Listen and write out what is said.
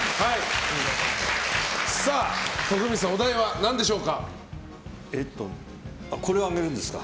徳光さん、お題は何でしょうか。